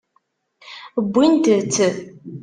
Wwint-t.